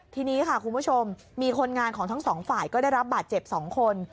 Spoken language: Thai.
ทีนี้ค่ะคุณผู้ชมมีคนงานของทั้งสองฝ่ายก็ได้รับบาดเจ็บ๒คน